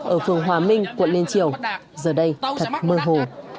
ở phường hòa minh quận liên triều giờ đây thật mơ hồ